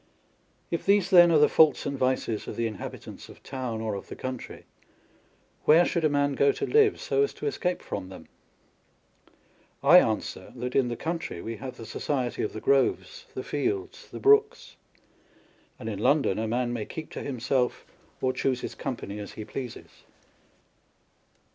1 If these, then, are the faults and vices of the inhabitants of town or of the country, where should a man go to live, so as to escape from them ? I answer, that in the country we have the society of the groves, the fields, the brooks, and in London a man may keep to himself, or choose his company as he pleases.